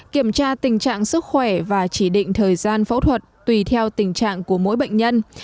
kiểm tra tình trạng sức khỏe và chỉ định thời gian phẫu thuật tùy theo tình trạng của mỗi bệnh nhân